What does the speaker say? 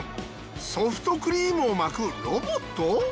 ソフトクリームを巻くロボット？